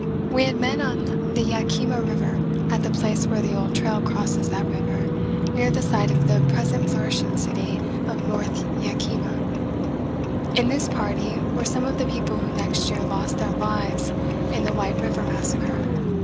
We had met on the Yakima River, at the place where the old trail crosses that river near the site of the present flourishing city of North Yakima. [Illustration: Mountain wolves.] In this party were some of the people who next year lost their lives in the White River massacre.